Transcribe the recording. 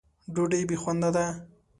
ډوډۍ بې خونده ده.